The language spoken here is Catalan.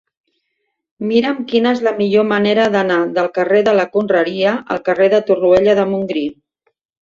Mira'm quina és la millor manera d'anar del carrer de la Conreria al carrer de Torroella de Montgrí.